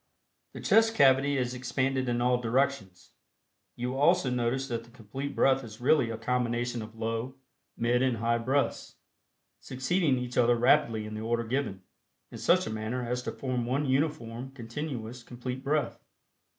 The chest cavity is expanded in all directions. You will also notice that the Complete Breath is really a combination of Low, Mid and High Breaths, succeeding each other rapidly in the order given, in such a manner as to form one uniform, continuous, complete breath.